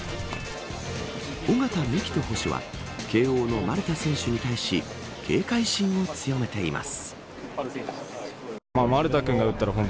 尾形樹人投手は慶応の丸田選手に対し警戒心を強めています。